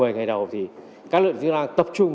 một mươi ngày đầu thì các lượng chức năng tập trung